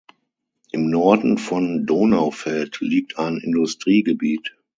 Im Norden von Donaufeld liegt ein Industriegebiet.